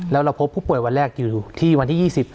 แล้วเราพบผู้ป่วยวันแรกอยู่ที่วันที่๒๐